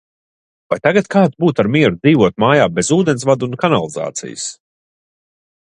Vai tagad kāds būtu ar mieru dzīvot mājā bez ūdensvada un kanalizācijas?